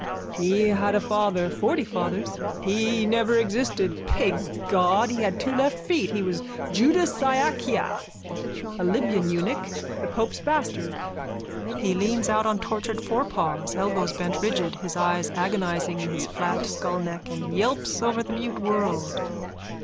_ He had a father, forty fathers. He never existed. Pig God! He had two left feet. He was Judas Iacchia, a Libyan eunuch, the pope's bastard. _(He leans out on tortured forepaws, elbows bent rigid, his eye agonising in his flat skullneck and yelps over the mute world.)